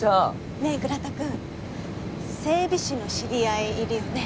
ねえ倉田くん整備士の知り合いいるよね？